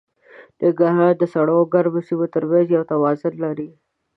ننګرهار د سړو او ګرمو سیمو تر منځ یو توازن لري.